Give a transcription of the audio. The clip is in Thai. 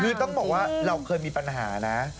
คือต้องบอกว่าเราเคยมีปัญหานะ